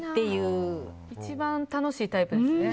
一番楽しいタイプですね。